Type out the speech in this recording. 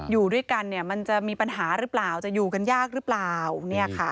อยู่ด้วยกันเนี่ยมันจะมีปัญหาหรือเปล่าจะอยู่กันยากหรือเปล่าเนี่ยค่ะ